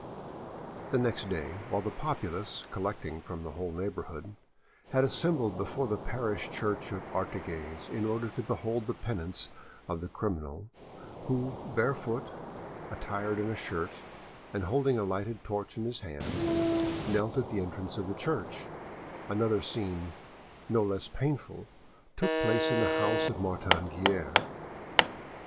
The next day, while the populace, collecting from the whole neighbourhood, had assembled before the parish church of Artigues in order to behold the penance of the criminal, who, barefoot, attired in a shirt, and holding a lighted torch in his hand, knelt at the entrance of the church, another scene, no less painful, took place in the house of Martin Guerre.